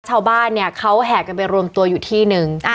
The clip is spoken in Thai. ชาวบ้านเนี่ยเขาแห่กันไปรวมตัวอยู่ที่นึง